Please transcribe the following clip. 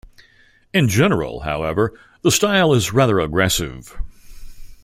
In general, however, the style is rather aggressive.